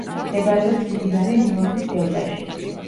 მდებარეობს მდინარე ნილოსის დელტაში.